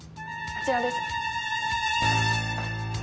こちらです。